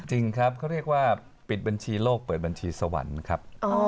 จริงครับเขาเรียกว่าปิดบัญชีโลกเปิดบัญชีสวรรค์ครับ